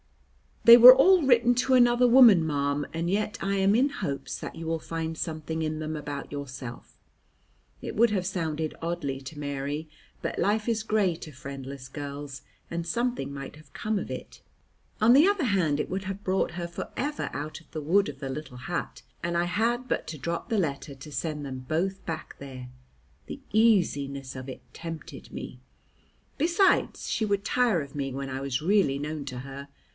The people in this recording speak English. "They were all written to another woman, ma'am, and yet I am in hopes that you will find something in them about yourself." It would have sounded oddly to Mary, but life is gray to friendless girls, and something might have come of it. On the other hand, it would have brought her for ever out of the wood of the little hut, and I had but to drop the letter to send them both back there. The easiness of it tempted me. Besides, she would tire of me when I was really known to her.